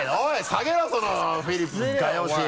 下げろそのフリップ画用紙。